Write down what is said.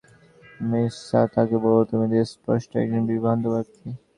মূসা তাকে বলল, তুমি তো স্পষ্টই একজন বিভ্রান্ত ব্যক্তি।